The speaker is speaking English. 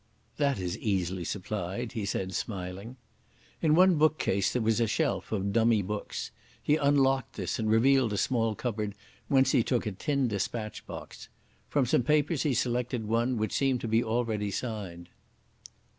"That is easily supplied," he said, smiling. In one bookcase there was a shelf of dummy books. He unlocked this and revealed a small cupboard, whence he took a tin dispatch box. From some papers he selected one, which seemed to be already signed.